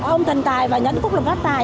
ông thần tài và nhẫn cúc lập pháp tài